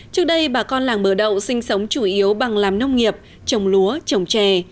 trước đây bà con làng bờ đậu sinh sống chủ yếu bằng làm nông nghiệp trồng lúa trồng trè